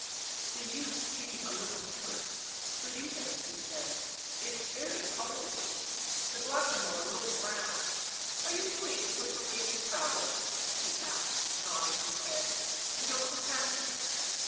The youth came a, little nearer. u Good even," he said. 11 It is very cold." The Blackamoor looked round. u Are you pleased with the way you travel?" he asked, nodding his head. " And your companion?"